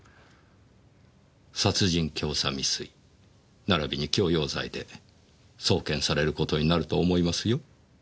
殺人教唆未遂ならびに強要罪で送検される事になると思いますよ。